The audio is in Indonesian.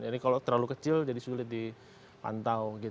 jadi kalau terlalu kecil jadi sulit dipantau